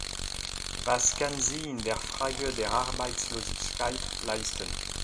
Was kann sie in der Frage der Arbeitslosigkeit leisten?